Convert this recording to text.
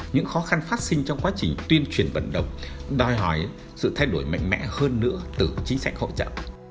những khó khăn phát sinh trong quá trình tuyên truyền vận động đòi hỏi sự thay đổi mạnh mẽ hơn nữa từ chính sách hỗ trợ